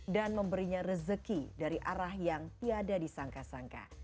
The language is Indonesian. dan memberinya rezeki dari arah yang tiada disangka sangka